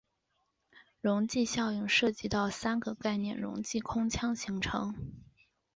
溶剂效应涉及到三个概念溶剂空腔形成。